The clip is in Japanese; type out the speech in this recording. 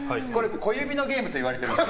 小指のゲームといわれているので。